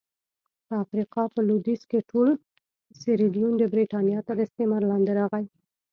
په افریقا په لوېدیځ کې ټول سیریلیون د برېټانیا تر استعمار لاندې راغی.